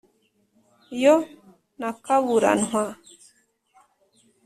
Yo na Kaburantwa